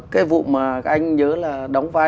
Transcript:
cái vụ mà